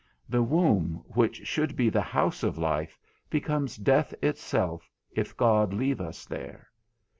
The womb, which should be the house of life, becomes death itself if God leave us there.